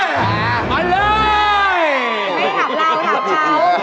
ไม่หลับเราหลับเรา